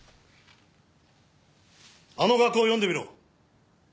あの額を読んでみろ。